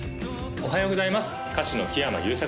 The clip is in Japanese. おはようございます